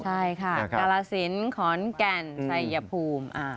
ใช่ค่ะกาลสินขอนแก่นชัยภูมิ